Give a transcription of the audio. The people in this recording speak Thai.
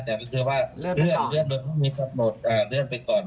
แต่คือว่าเลื่อนไปก่อน